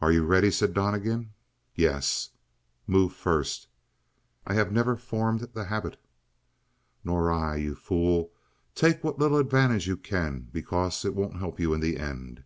"Are you ready?" said Donnegan. "Yes!" "Move first!" "I have never formed the habit." "Nor I! You fool, take what little advantage you can, because it won't help you in the end."